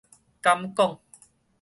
敢講